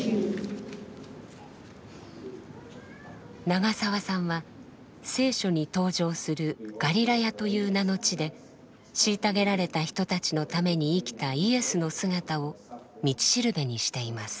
長澤さんは聖書に登場する「ガリラヤ」という名の地で虐げられた人たちのために生きたイエスの姿を道しるべにしています。